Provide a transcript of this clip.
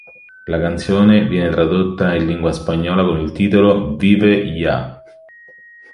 La canzone viene tradotta in lingua spagnola con il titolo "Vive ya!